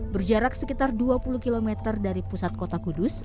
berjarak sebesar dua puluh kilometer dari pusat kota kudus